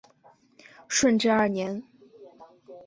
顺治二年。